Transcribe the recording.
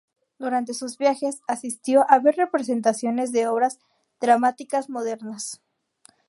Durante sus viajes, asistió a ver representaciones de obras dramáticas modernas.